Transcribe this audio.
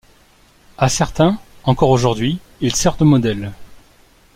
À certains, encore aujourd'hui, il sert de modèle.